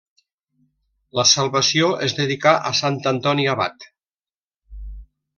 La salvació es dedicà a Sant Antoni Abat.